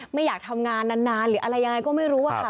ไม่อยากทำงานนานหรืออะไรยังไงก็ไม่รู้อะค่ะ